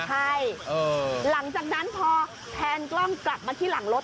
ใช่หลังจากนั้นพอแพนกล้องกลับมาที่หลังรถ